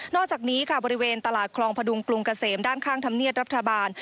อกจากนี้ค่ะบริเวณตลาดคลองพดุงกรุงเกษมด้านข้างธรรมเนียบรัฐบาล